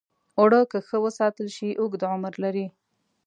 اوړه که ښه وساتل شي، اوږد عمر لري